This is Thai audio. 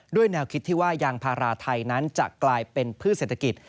แนวคิดที่ว่ายางพาราไทยนั้นจะกลายเป็นพืชเศรษฐกิจ